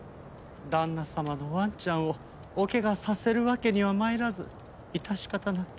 旦那様のワンちゃんをお怪我させるわけには参らず致し方なく。